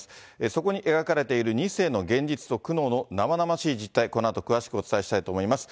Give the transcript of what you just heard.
そこに描かれている２世の現実と苦悩の生々しい実態、このあと詳しくお伝えしたいと思います。